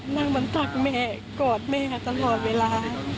นั่งมาตักแม่กอดแม่ตลอดเวลา